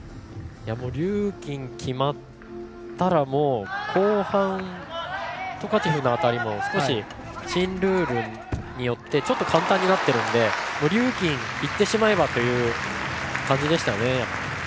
リューキン決まったら後半、トカチェフの辺りも少し、新ルールによってちょっと簡単になっているのでリューキンいってしまえばという感じでしたね。